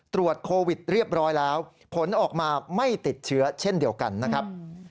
ตรวจโควิดเรียบร้อยแล้วผลออกมาไม่ติดเชื้อเช่นเดียวกันนะครับ